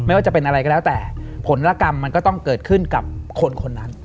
ว่าจะเป็นอะไรก็แล้วแต่ผลละกรรมมันก็ต้องเกิดขึ้นกับคนคนนั้น